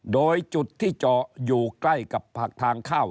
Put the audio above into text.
โดยจุดที่จออยู่ใกล้กับทางเข้า